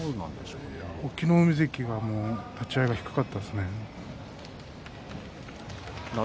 隠岐の海関が立ち合いが低かったですね。